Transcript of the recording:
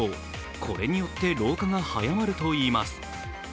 これによって老化が早まるといいます。